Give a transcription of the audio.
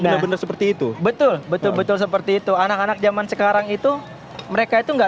bener bener seperti itu betul betul betul seperti itu anak anak zaman sekarang itu mereka itu nggak